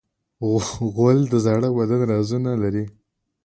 غول د زاړه بدن رازونه لري.